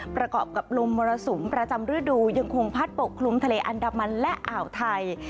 ประกอบกับลมมรสุมประจำฤดูยังคงพัดปกคลุมทะเลอันดามันและอ่าวไทย